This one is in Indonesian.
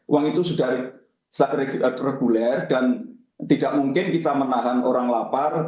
uang itu sudah reguler dan tidak mungkin kita menahan orang lapar